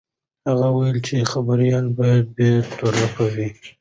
هغه وویل چې خبریال باید بې طرفه وي.